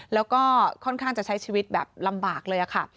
แล้วก็ค่อนข้างจะใช้ชีวิตแบบลำบากเลยค่ะ